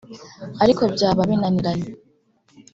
ariko byaba binaniranye